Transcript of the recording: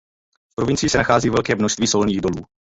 V provincii se nachází velké množství solných dolů.